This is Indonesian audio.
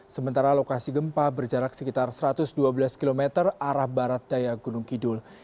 sementara lokasi gempa berjarak sekitar satu ratus dua belas km arah barat daya gunung kidul